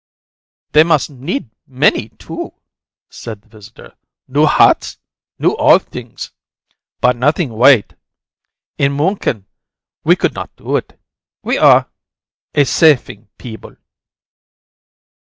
"They must need many, too!" said the visitor. "New hats, new all things, but nothing white. In Munchen we could not do it; we are a safing peeble."